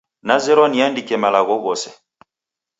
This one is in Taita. Nazerwa niandike malagho ghose